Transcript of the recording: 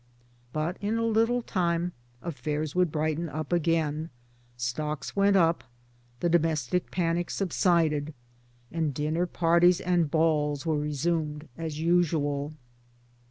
But in a little time affairs would brighten up again. Stocks went up 1 , the domestic panic sub sided; and dinner parties and balls were resumed as usual.